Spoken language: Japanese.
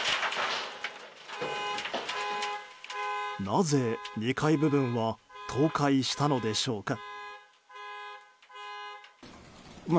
なぜ、２階部分は倒壊したのでしょうか。